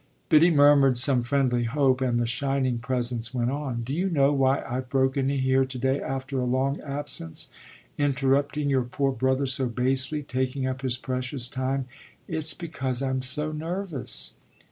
Biddy murmured some friendly hope, and the shining presence went on: "Do you know why I've broken in here to day after a long absence interrupting your poor brother so basely, taking up his precious time? It's because I'm so nervous."